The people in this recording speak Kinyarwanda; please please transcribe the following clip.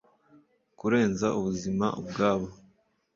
Kurenza ubuzima ubwabwo